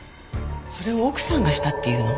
それを奥さんがしたっていうの？